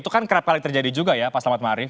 itu kan kerap kali terjadi juga ya pak selamat marif